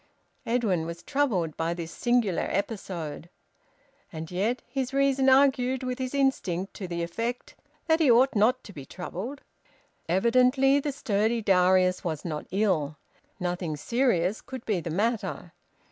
Edwin was troubled by this singular episode. And yet his reason argued with his instinct to the effect that he ought not to be troubled. Evidently the sturdy Darius was not ill. Nothing serious could be the matter.